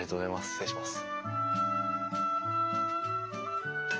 失礼します。